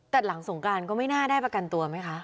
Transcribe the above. แต่หลังสงการก็ไม่น่าได้ประกันตัวไหมคะ